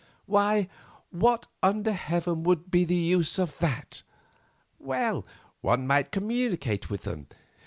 Why, what under heaven would be the use of it?" "Well, one might communicate with them.